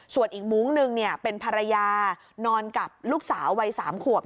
ส่วนอีกมุ้งหนึ่งเป็นภรรยานอนกับลูกสาววัย๓ขวบ